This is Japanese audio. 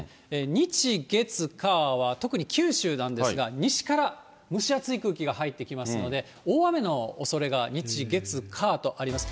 日、月、火は特に九州なんですが、西から蒸し暑い空気が入ってきますので、大雨のおそれが、日、月、火とあります。